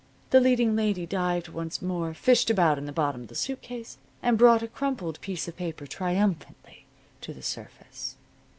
The leading lady dived once more, fished about in the bottom of the suit case and brought a crumpled piece of paper triumphantly to the surface.